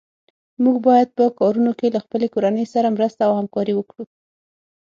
موږ باید په کارونو کې له خپلې کورنۍ سره مرسته او همکاري وکړو.